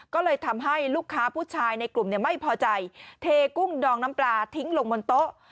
ก็เลยทำให้ลูกค้าผู้ชายในกลุ่มไม่พอใจเทกุ้งดองน้ำปลาทิ้งลงบนโต๊ะ